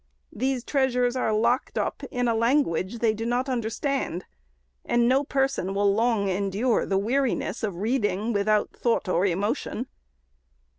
These treasures are locked up in a language they do not understand ; and no person will long endure the weariness of reading without thought or emotion.